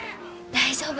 大丈夫。